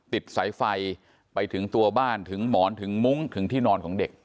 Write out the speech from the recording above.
ติดสายไฟไปถึงตัวบ้านถึงหมอนถึงมุ้งถึงที่นอนของเด็ก